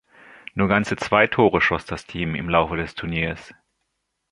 Nur ganze zwei Tore schoss das Team im Laufe des Turniers.